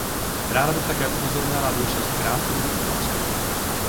Ráda bych také upozornila na důležitost krátkodobých opatření.